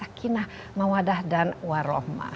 namanya sakina mawadah dan warohma